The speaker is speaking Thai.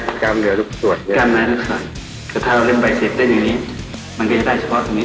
ถ้าเริ่มไบเซ็ปเด้งอย่างนี้มันก็จะได้เฉพาะทีนี้